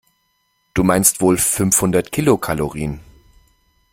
Du meinst wohl fünfhundert Kilokalorien.